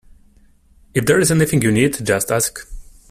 If there's anything you need, just ask